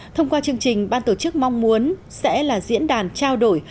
thông qua chương trình ban tổ chức mong muốn sẽ là diễn đàn trao đổi